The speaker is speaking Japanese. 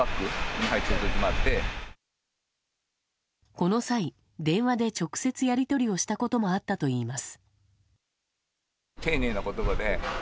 この際、電話で直接やり取りをしたこともあったといいます。